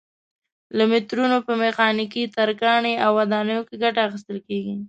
له مترونو په میخانیکي، ترکاڼۍ او ودانیو کې ګټه اخیستل کېږي.